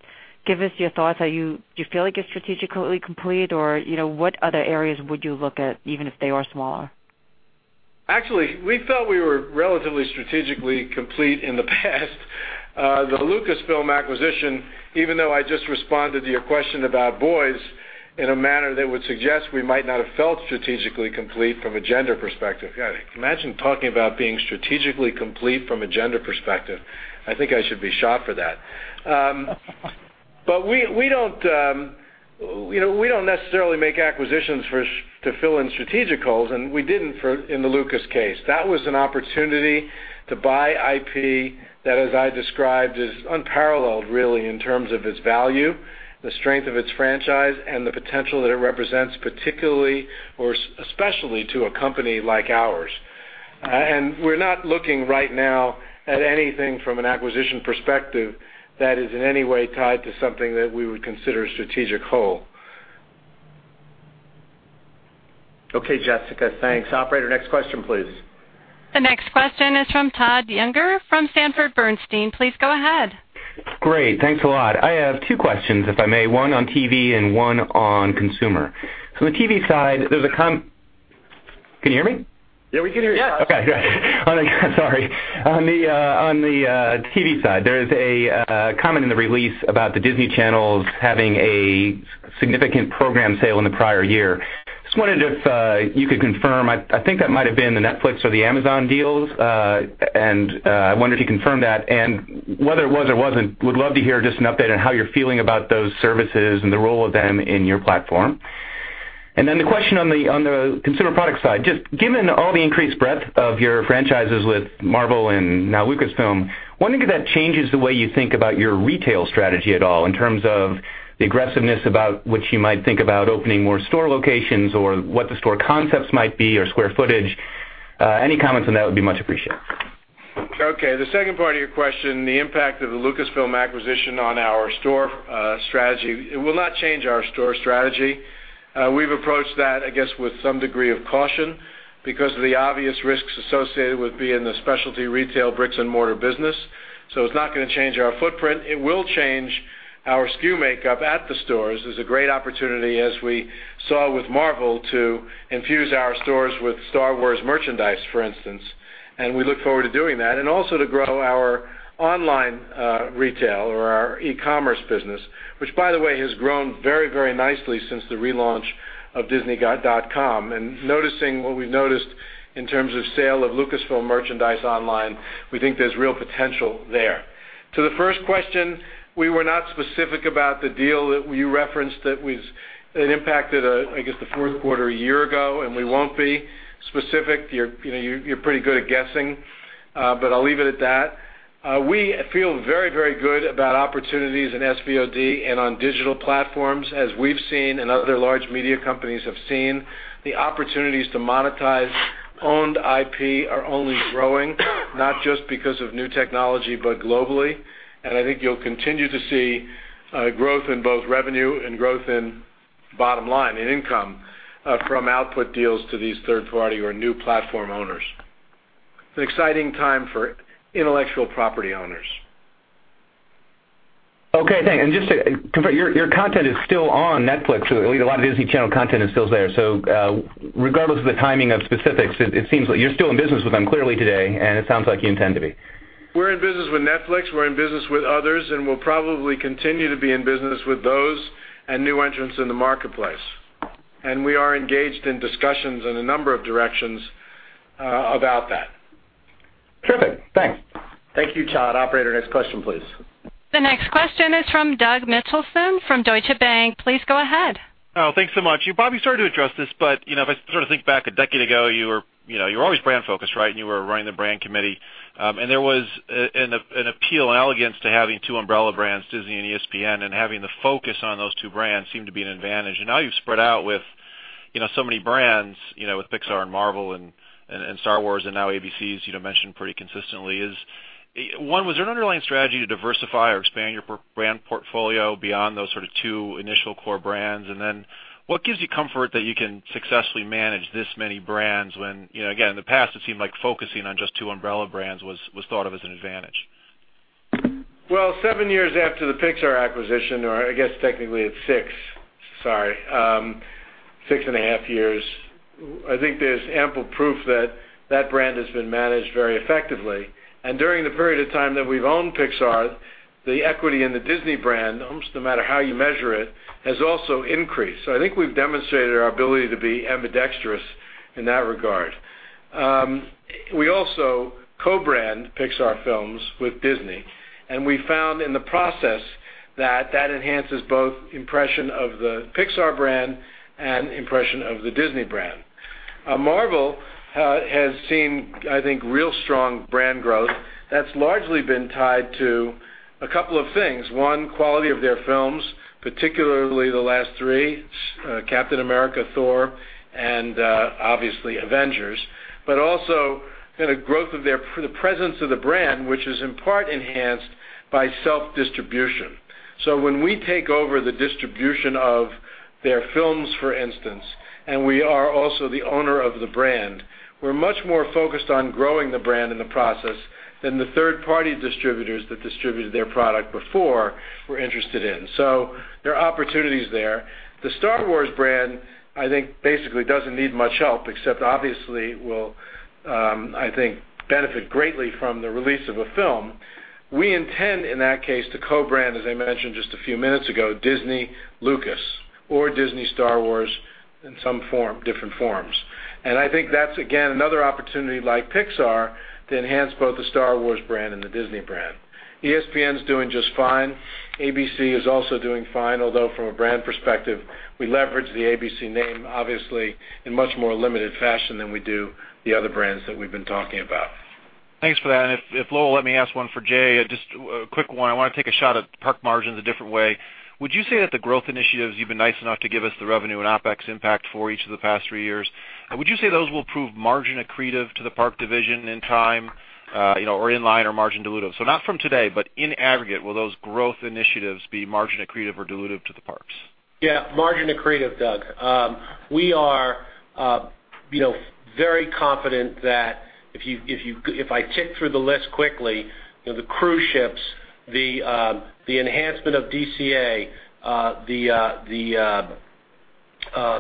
Speaker 8: give us your thoughts? Do you feel like you're strategically complete, or what other areas would you look at, even if they are smaller?
Speaker 3: Actually, we felt we were relatively strategically complete in the past. The Lucasfilm acquisition, even though I just responded to your question about boys in a manner that would suggest we might not have felt strategically complete from a gender perspective. Imagine talking about being strategically complete from a gender perspective. I think I should be shot for that. We don't necessarily make acquisitions to fill in strategic holes, and we didn't in the Lucas case. That was an opportunity to buy IP that, as I described, is unparalleled really in terms of its value, the strength of its franchise, and the potential that it represents, particularly or especially to a company like ours. We're not looking right now at anything from an acquisition perspective that is in any way tied to something that we would consider a strategic hole.
Speaker 4: Okay, Jessica. Thanks. Operator, next question, please.
Speaker 1: The next question is from Todd Juenger from Sanford C. Bernstein. Please go ahead.
Speaker 9: Great. Thanks a lot. I have two questions, if I may, one on TV and one on consumer. On the TV side, there's Can you hear me?
Speaker 3: Yeah, we can hear you.
Speaker 9: Okay, good. Sorry. On the TV side, there is a comment in the release about the Disney Channels having a significant program sale in the prior year. Just wondered if you could confirm. I think that might've been the Netflix or the Amazon deals, and I wonder if you confirm that and whether it was or wasn't, would love to hear just an update on how you're feeling about those services and the role of them in your platform. Then the question on the consumer product side, just given all the increased breadth of your franchises with Marvel and now Lucasfilm, wondering if that changes the way you think about your retail strategy at all in terms of the aggressiveness about which you might think about opening more store locations or what the store concepts might be or square footage. Any comments on that would be much appreciated.
Speaker 3: Okay, the second part of your question, the impact of the Lucasfilm acquisition on our store strategy. It will not change our store strategy. We've approached that, I guess, with some degree of caution because of the obvious risks associated with being in the specialty retail bricks and mortar business. It's not going to change our footprint. It will change our SKU makeup at the stores. There's a great opportunity, as we saw with Marvel, to infuse our stores with Star Wars merchandise, for instance. We look forward to doing that and also to grow our online retail or our e-commerce business, which by the way, has grown very, very nicely since the relaunch of disney.com. Noticing what we've noticed in terms of sale of Lucasfilm merchandise online, we think there's real potential there. To the first question, we were not specific about the deal that you referenced that impacted, I guess, the fourth quarter a year ago. We won't be specific. You're pretty good at guessing, but I'll leave it at that. We feel very, very good about opportunities in SVOD and on digital platforms, as we've seen and other large media companies have seen, the opportunities to monetize owned IP are only growing, not just because of new technology, but globally. I think you'll continue to see growth in both revenue and growth in bottom line, in income from output deals to these third-party or new platform owners. It's an exciting time for intellectual property owners.
Speaker 9: Okay, thanks. Just to confirm, your content is still on Netflix. A lot of Disney Channel content is still there. Regardless of the timing of specifics, it seems like you're still in business with them clearly today, and it sounds like you intend to be.
Speaker 3: We're in business with Netflix, we're in business with others. We'll probably continue to be in business with those and new entrants in the marketplace. We are engaged in discussions in a number of directions about that.
Speaker 9: Terrific. Thanks.
Speaker 3: Thank you, Todd. Operator, next question, please.
Speaker 1: The next question is from Doug Mitchelson from Deutsche Bank. Please go ahead.
Speaker 10: Thanks so much. You probably started to address this, but if I sort of think back a decade ago, you were always brand-focused, right? You were running the brand committee. There was an appeal and allegiance to having two umbrella brands, Disney and ESPN, and having the focus on those two brands seemed to be an advantage. Now you've spread out with so many brands with Pixar and Marvel and Star Wars and now ABC's mentioned pretty consistently. One, was there an underlying strategy to diversify or expand your brand portfolio beyond those sort of two initial core brands? What gives you comfort that you can successfully manage this many brands when, again, in the past, it seemed like focusing on just two umbrella brands was thought of as an advantage?
Speaker 3: Well, 7 years after the Pixar acquisition, or I guess technically it's 6, sorry, 6 and a half years, I think there's ample proof that that brand has been managed very effectively. During the period of time that we've owned Pixar, the equity in the Disney brand, almost no matter how you measure it, has also increased. I think we've demonstrated our ability to be ambidextrous in that regard. We also co-brand Pixar films with Disney, and we found in the process that that enhances both impression of the Pixar brand and impression of the Disney brand. Marvel has seen, I think, real strong brand growth that's largely been tied to a couple of things. One, quality of their films, particularly the last 3, Captain America, Thor, and obviously Avengers, but also the presence of the brand, which is in part enhanced by self-distribution. When we take over the distribution of their films, for instance, and we are also the owner of the brand, we're much more focused on growing the brand in the process than the third-party distributors that distributed their product before were interested in. There are opportunities there. The Star Wars brand, I think, basically doesn't need much help except obviously will, I think, benefit greatly from the release of a film. We intend, in that case, to co-brand, as I mentioned just a few minutes ago, Disney Lucas or Disney Star Wars in some different forms. I think that's again, another opportunity like Pixar to enhance both the Star Wars brand and the Disney brand. ESPN's doing just fine. ABC is also doing fine, although from a brand perspective, we leverage the ABC name obviously in much more limited fashion than we do the other brands that we've been talking about.
Speaker 10: Thanks for that. If Lowell let me ask one for Jay, just a quick one. I want to take a shot at park margins a different way. Would you say that the growth initiatives you've been nice enough to give us the revenue and OpEx impact for each of the past 3 years, would you say those will prove margin accretive to the park division in time, or in line or margin dilutive? Not from today, but in aggregate, will those growth initiatives be margin accretive or dilutive to the parks?
Speaker 4: Yeah, margin accretive, Doug. We are very confident that if I tick through the list quickly, the cruise ships, the enhancement of DCA, the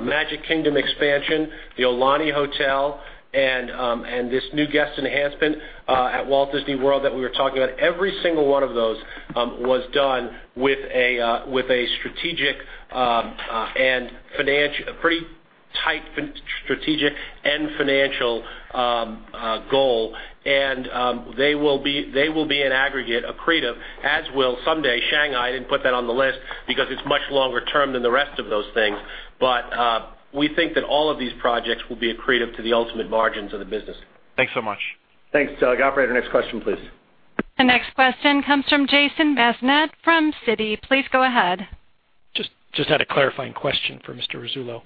Speaker 4: Magic Kingdom expansion, the Aulani Hotel, and this new guest enhancement at Walt Disney World that we were talking about, every single one of those was done with a pretty tight strategic and financial goal. They will be in aggregate accretive, as will someday Shanghai. I didn't put that on the list because it's much longer term than the rest of those things. We think that all of these projects will be accretive to the ultimate margins of the business.
Speaker 2: Thanks so much.
Speaker 4: Thanks, Doug. Operator, next question, please.
Speaker 1: The next question comes from Jason Bazinet from Citi. Please go ahead.
Speaker 11: Just had a clarifying question for Mr. Rasulo.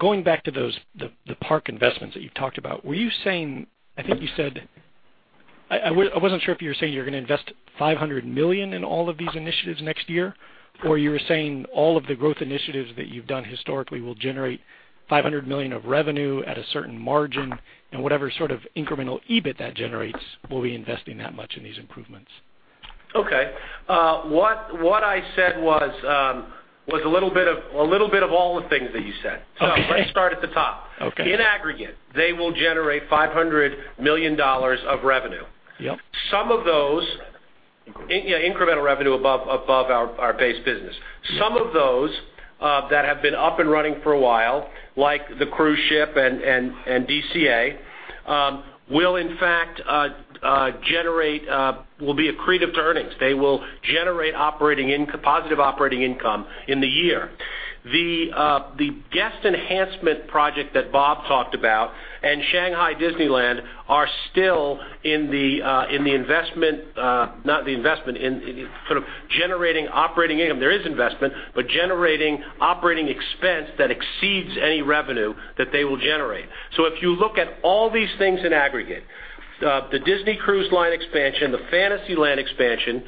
Speaker 11: Going back to the park investments that you've talked about, I wasn't sure if you were saying you're going to invest $500 million in all of these initiatives next year, or you were saying all of the growth initiatives that you've done historically will generate $500 million of revenue at a certain margin and whatever sort of incremental EBIT that generates will be investing that much in these improvements.
Speaker 4: Okay. What I said was a little bit of all the things that you said.
Speaker 11: Okay.
Speaker 4: Let's start at the top.
Speaker 11: Okay.
Speaker 4: In aggregate, they will generate $500 million of revenue.
Speaker 11: Yep.
Speaker 4: Incremental revenue above our base business. Some of those that have been up and running for a while, like the cruise ship and DCA will in fact, be accretive to earnings. They will generate positive operating income in the year. The guest enhancement project that Bob talked about and Shanghai Disneyland are still in the investment, not the investment, in sort of generating operating income. There is investment, but generating operating expense that exceeds any revenue that they will generate. If you look at all these things in aggregate, the Disney Cruise Line expansion, the Fantasyland expansion,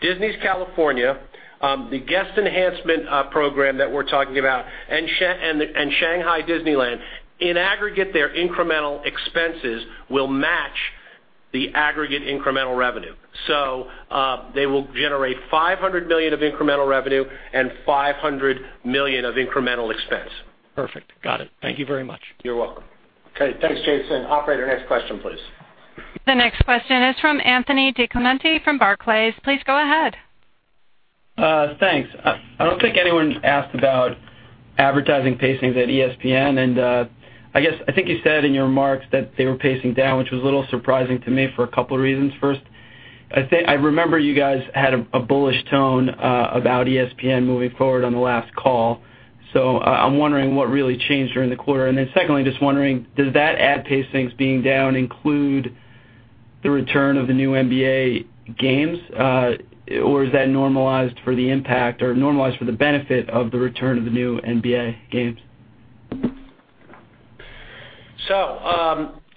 Speaker 4: Disney's California, the guest enhancement program that we're talking about, and Shanghai Disneyland, in aggregate, their incremental expenses will match the aggregate incremental revenue. They will generate $500 million of incremental revenue and $500 million of incremental expense.
Speaker 11: Perfect. Got it. Thank you very much.
Speaker 4: You're welcome.
Speaker 2: Okay, thanks, Jason. Operator, next question, please.
Speaker 1: The next question is from Anthony DiClemente from Barclays. Please go ahead.
Speaker 12: Thanks. I don't think anyone's asked about advertising pacings at ESPN, I think you said in your remarks that they were pacing down, which was a little surprising to me for a couple of reasons. First, I remember you guys had a bullish tone about ESPN moving forward on the last call. I'm wondering what really changed during the quarter. Then secondly, just wondering, does that ad pacings being down include the return of the new NBA games? Or is that normalized for the impact or normalized for the benefit of the return of the new NBA games?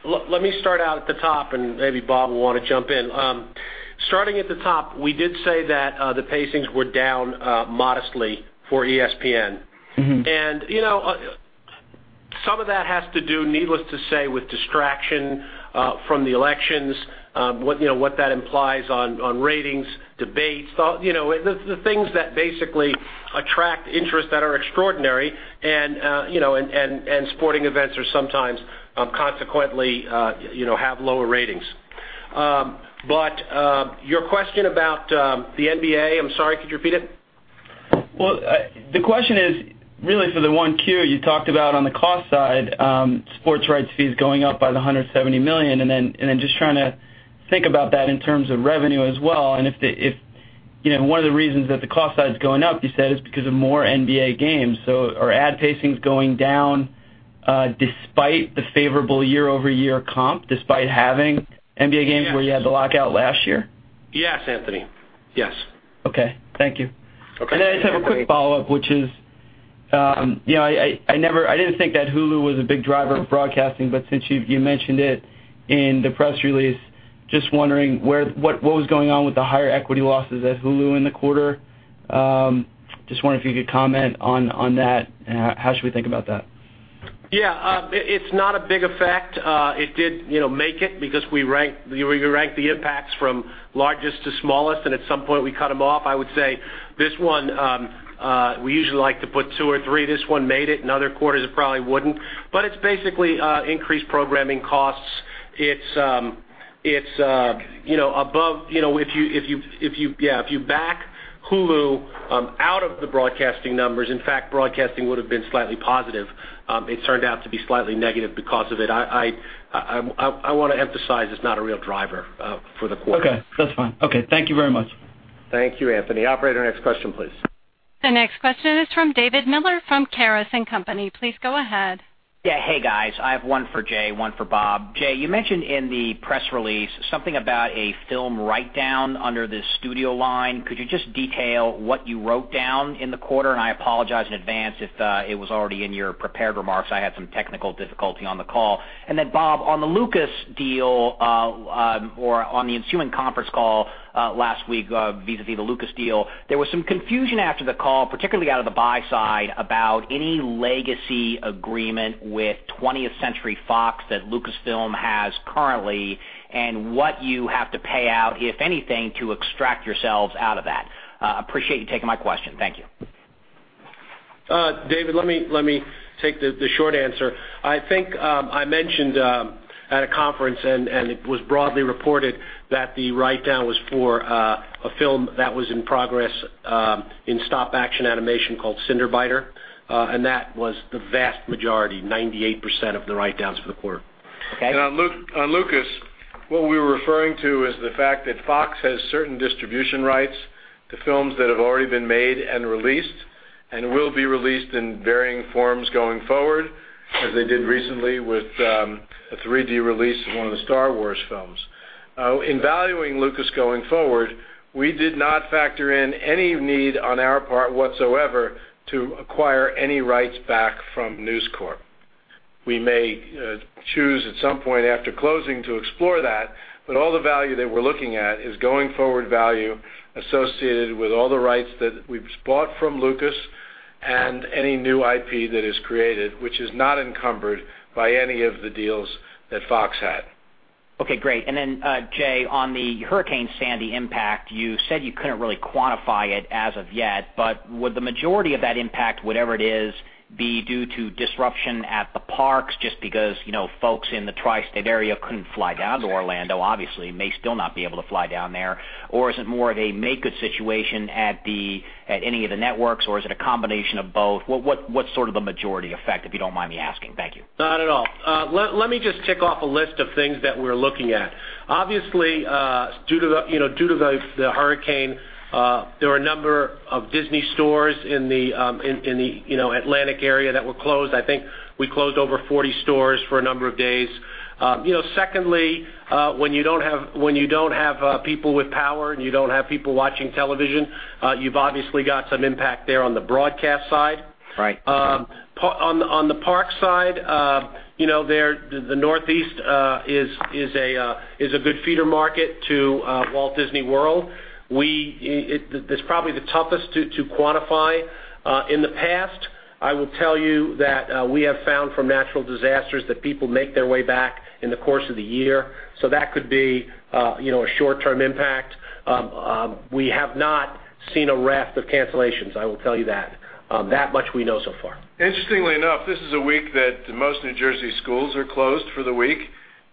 Speaker 4: Let me start out at the top and maybe Bob will want to jump in. Starting at the top, we did say that the pacings were down modestly for ESPN. Some of that has to do, needless to say, with distraction from the elections, what that implies on ratings, debates, the things that basically attract interest that are extraordinary and sporting events are sometimes consequently have lower ratings. Your question about the NBA, I'm sorry, could you repeat it?
Speaker 12: The question is really for the 1Q you talked about on the cost side sports rights fees going up by $170 million and then just trying to think about that in terms of revenue as well and if one of the reasons that the cost side's going up you said is because of more NBA games. Are ad pacings going down despite the favorable year-over-year comp despite having NBA games where you had the lockout last year?
Speaker 4: Yes, Anthony. Yes.
Speaker 12: Okay. Thank you.
Speaker 4: Okay.
Speaker 12: I just have a quick follow-up, which is I didn't think that Hulu was a big driver of broadcasting, but since you mentioned it in the press release, just wondering what was going on with the higher equity losses at Hulu in the quarter? Just wondering if you could comment on that and how should we think about that?
Speaker 4: Yeah. It's not a big effect. It did make it because we ranked the impacts from largest to smallest and at some point we cut them off. I would say this one we usually like to put two or three. This one made it. In other quarters it probably wouldn't. It's basically increased programming costs. If you back Hulu out of the broadcasting numbers, in fact, broadcasting would've been slightly positive. It's turned out to be slightly negative because of it. I want to emphasize it's not a real driver for the quarter.
Speaker 12: Okay. That's fine. Okay. Thank you very much.
Speaker 4: Thank you, Anthony. Operator, next question, please.
Speaker 1: The next question is from David Miller from Caris & Company. Please go ahead.
Speaker 13: Yeah. Hey, guys. I have one for Jay, one for Bob. Jay, you mentioned in the press release something about a film write-down under the studio line. Could you just detail what you wrote down in the quarter? I apologize in advance if it was already in your prepared remarks. I had some technical difficulty on the call. Bob, on the Lucas deal or on the ensuing conference call last week vis-a-vis the Lucas deal, there was some confusion after the call, particularly out of the buy side, about any legacy agreement with 20th Century Fox that Lucasfilm has currently and what you have to pay out, if anything, to extract yourselves out of that. Appreciate you taking my question. Thank you.
Speaker 4: David, let me take the short answer. I think I mentioned at a conference, it was broadly reported, that the write-down was for a film that was in progress in stop-motion animation called "Cinderbiter," that was the vast majority, 98% of the write-downs for the quarter. Okay?
Speaker 3: On Lucas, what we were referring to is the fact that Fox has certain distribution rights to films that have already been made and released and will be released in varying forms going forward, as they did recently with a 3D release of one of the "Star Wars" films. In valuing Lucas going forward, we did not factor in any need on our part whatsoever to acquire any rights back from News Corp. We may choose at some point after closing to explore that, all the value that we're looking at is going-forward value associated with all the rights that we've bought from Lucas and any new IP that is created, which is not encumbered by any of the deals that Fox had.
Speaker 13: Okay, great. Jay, on the Hurricane Sandy impact, you said you couldn't really quantify it as of yet, but would the majority of that impact, whatever it is, be due to disruption at the parks just because folks in the tri-state area couldn't fly down to Orlando, obviously, may still not be able to fly down there, or is it more of a make-good situation at any of the networks, or is it a combination of both? What's sort of the majority effect, if you don't mind me asking? Thank you.
Speaker 4: Not at all. Let me just tick off a list of things that we're looking at. Obviously, due to the hurricane, there were a number of Disney stores in the Atlantic area that were closed. I think we closed over 40 stores for a number of days. Secondly, when you don't have people with power and you don't have people watching television, you've obviously got some impact there on the broadcast side.
Speaker 13: Right.
Speaker 4: On the parks side, the Northeast is a good feeder market to Walt Disney World. That's probably the toughest to quantify. In the past, I will tell you that we have found from natural disasters that people make their way back in the course of the year. That could be a short-term impact. We have not seen a raft of cancellations, I will tell you that. That much we know so far.
Speaker 3: Interestingly enough, this is a week that most New Jersey schools are closed for the week.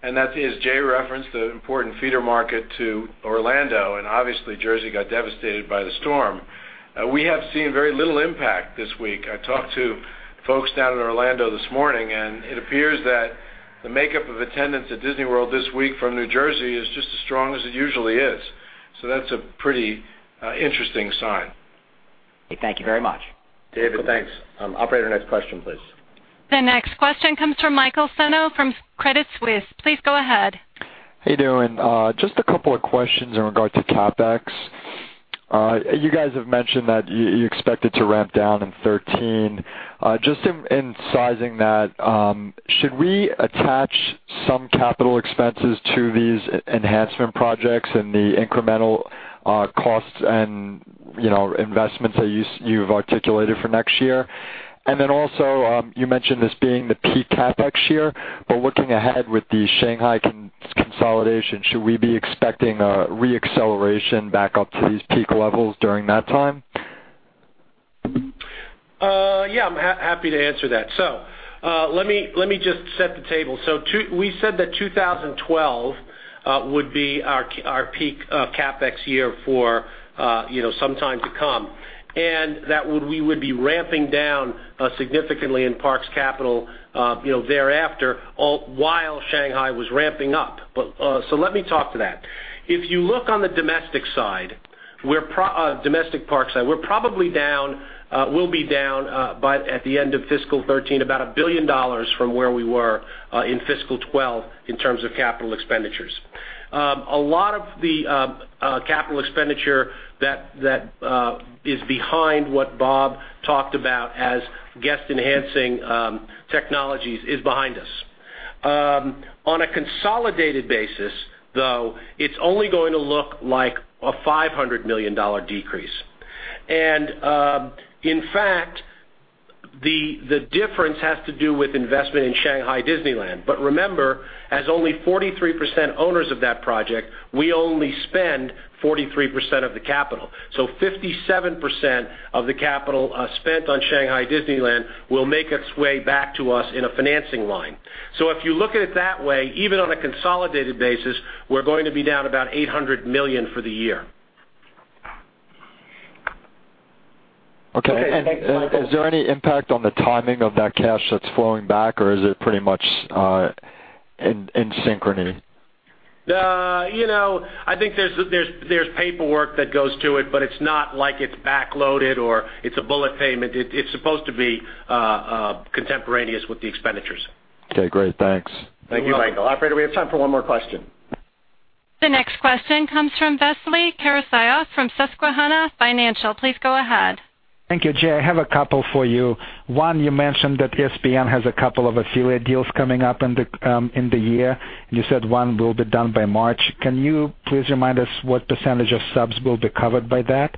Speaker 3: Jay referenced the important feeder market to Orlando, and obviously Jersey got devastated by the storm. We have seen very little impact this week. I talked to folks down in Orlando this morning, and it appears that the makeup of attendance at Disney World this week from New Jersey is just as strong as it usually is. That's a pretty interesting sign.
Speaker 13: Thank you very much.
Speaker 4: David, thanks. Operator, next question, please.
Speaker 1: The next question comes from Michael Senno from Credit Suisse. Please go ahead.
Speaker 14: How you doing? Just a couple of questions in regard to CapEx. You guys have mentioned that you expect it to ramp down in 2013. Just in sizing that, should we attach some capital expenses to these enhancement projects and the incremental costs and investments that you've articulated for next year? Also, you mentioned this being the peak CapEx year, but looking ahead with the Shanghai consolidation, should we be expecting a re-acceleration back up to these peak levels during that time?
Speaker 4: Yeah, I'm happy to answer that. Let me just set the table. We said that 2012 would be our peak CapEx year for some time to come, and that we would be ramping down significantly in parks capital thereafter while Shanghai was ramping up. Let me talk to that. If you look on the domestic parks side, we'll be down by at the end of fiscal 2013, about $1 billion from where we were in fiscal 2012 in terms of capital expenditures. A lot of the capital expenditure that is behind what Bob talked about as guest-enhancing technologies is behind us. On a consolidated basis, though, it's only going to look like a $500 million decrease. In fact, the difference has to do with investment in Shanghai Disneyland. Remember, as only 43% owners of that project, we only spend 43% of the capital. 57% of the capital spent on Shanghai Disneyland will make its way back to us in a financing line. If you look at it that way, even on a consolidated basis, we're going to be down about $800 million for the year.
Speaker 14: Okay. Is there any impact on the timing of that cash that's flowing back or is it pretty much in synchrony?
Speaker 4: I think there's paperwork that goes to it's not like it's back-loaded or it's a bullet payment. It's supposed to be contemporaneous with the expenditures.
Speaker 14: Okay, great. Thanks.
Speaker 4: You're welcome.
Speaker 3: Thank you, Michael. Operator, we have time for one more question.
Speaker 1: The next question comes from Vasily Karasyov from Susquehanna Financial. Please go ahead.
Speaker 15: Thank you, Jay. I have a couple for you. One, you mentioned that ESPN has a couple of affiliate deals coming up in the year, and you said one will be done by March. Can you please remind us what percentage of subs will be covered by that?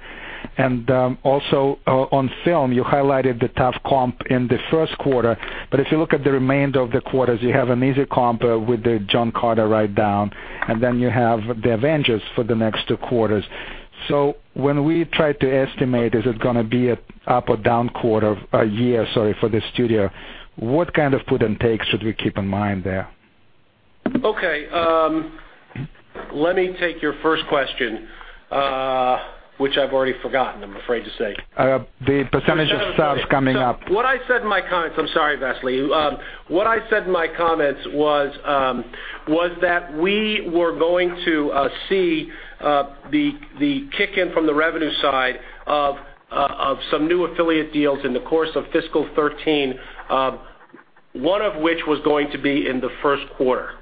Speaker 15: Also on film, you highlighted the tough comp in the first quarter, but if you look at the remainder of the quarters, you have an easy comp with the John Carter write-down, then you have The Avengers for the next two quarters. When we try to estimate, is it going to be an up or down year for the studio, what kind of put and take should we keep in mind there?
Speaker 4: Okay. Let me take your first question, which I've already forgotten, I'm afraid to say.
Speaker 15: The percentage of subs coming up.
Speaker 4: What I said in my comments, I'm sorry, Vasily. What I said in my comments was that we were going to see the kick-in from the revenue side of some new affiliate deals in the course of fiscal 2013, one of which was going to be in the first quarter.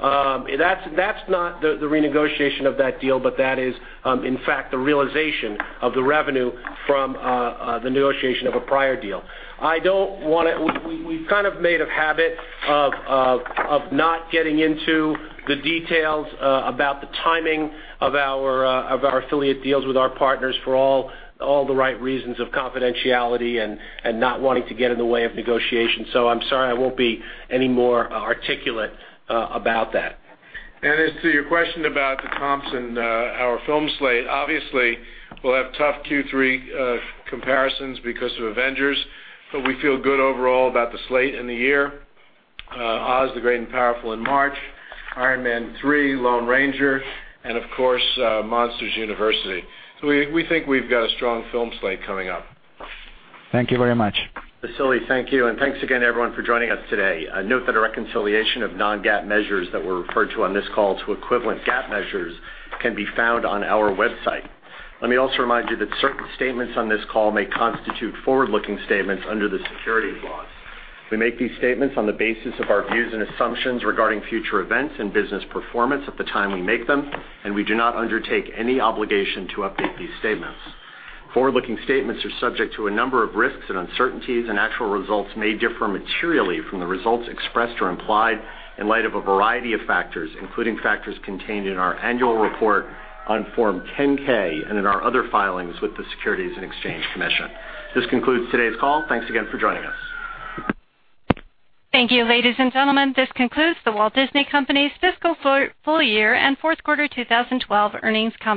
Speaker 4: That's not the renegotiation of that deal, but that is, in fact, the realization of the revenue from the negotiation of a prior deal. We've kind of made a habit of not getting into the details about the timing of our affiliate deals with our partners for all the right reasons of confidentiality and not wanting to get in the way of negotiations. I'm sorry I won't be any more articulate about that.
Speaker 3: As to your question about the comps and our film slate, obviously we'll have tough Q3 comparisons because of "The Avengers," but we feel good overall about the slate in the year. "Oz the Great and Powerful" in March, "Iron Man 3," "The Lone Ranger," and of course, "Monsters University." We think we've got a strong film slate coming up.
Speaker 15: Thank you very much.
Speaker 2: Vasily, thank you, and thanks again, everyone, for joining us today. A note that a reconciliation of non-GAAP measures that were referred to on this call to equivalent GAAP measures can be found on our website. Let me also remind you that certain statements on this call may constitute forward-looking statements under the Securities laws. We make these statements on the basis of our views and assumptions regarding future events and business performance at the time we make them, and we do not undertake any obligation to update these statements. Forward-looking statements are subject to a number of risks and uncertainties, and actual results may differ materially from the results expressed or implied in light of a variety of factors, including factors contained in our annual report on Form 10-K and in our other filings with the Securities and Exchange Commission. This concludes today's call. Thanks again for joining us.
Speaker 1: Thank you, ladies and gentlemen. This concludes The Walt Disney Company's fiscal full year and fourth quarter 2012 earnings conference.